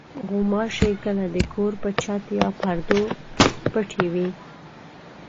غوماشې کله د کور په چت یا پردو پټې وي.